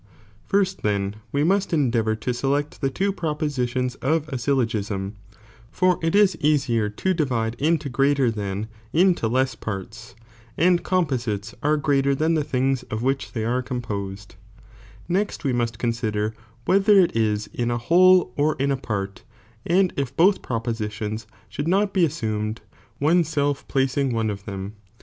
Bnio i«i. First then we must endeavour to select the two taiSToii"«rf proposilioiia of a syllogism, for it is easier to di al id qiuutity, vide into greaier than into less parts,' and com *"■ positea are greater than the things of which they are composed ; next we must consider whether it is in a whole or in a pari, and if both propositions should not be assumed, oneself placing one of them.